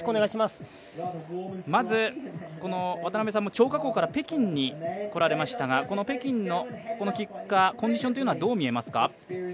まず、この渡辺さんも張家口から北京に来られましたがこの北京のキッカー、コンディションというのはどう見えますか。